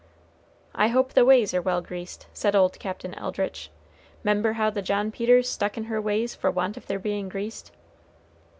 "I hope the ways are well greased," said old Captain Eldritch. "'Member how the John Peters stuck in her ways for want of their being greased?"